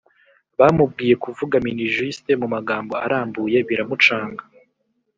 bamubwiye kuvuga minijuste mumagambo arambuye biramucanga